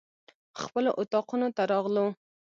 خپلو اطاقونو ته راغلو.